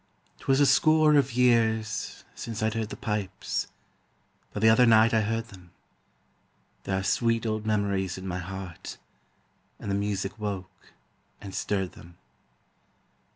'Twas a score of years since I'd heard the pipes, But the other night I heard them; There are sweet old memories in my heart, And the music woke and stirred them.